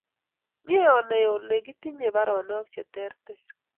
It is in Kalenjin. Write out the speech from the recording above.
Mye onai ole kitinye paronok che ter ter.